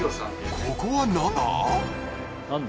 ここは何だ？